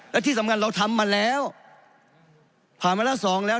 และที่สำคัญเราทำมาแล้วผ่านมาละสองแล้ว